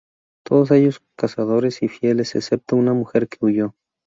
Todos ellos cazadores y fieles, excepto una mujer que huyó.